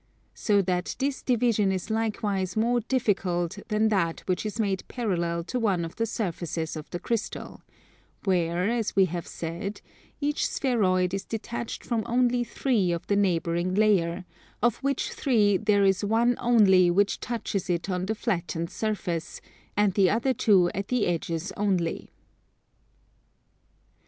So that this division is likewise more difficult than that which is made parallel to one of the surfaces of the crystal; where, as we have said, each spheroid is detached from only three of the neighbouring layer: of which three there is one only which touches it on the flattened surface, and the other two at the edges only.